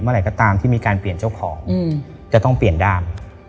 เมื่อไหร่ก็ตามที่มีการเปลี่ยนเจ้าของจะต้องเปลี่ยนด้าม